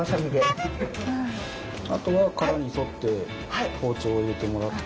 あとは殻に沿って包丁を入れてもらって。